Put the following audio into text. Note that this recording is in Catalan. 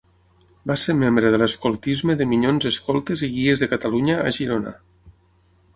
Va ser membre de l'escoltisme de Minyons Escoltes i Guies de Catalunya a Girona.